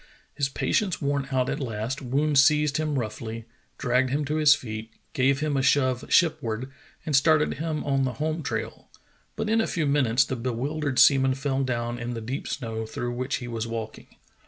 His patience worn out at last, Woon seized him roughl}^, dragged him to his feet, gave him a shove ship ward, and started him on the home trail, but in a few minutes the bewildered seaman fell down in the deep snow through which he was walking.